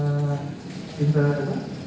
nah cinta ditolak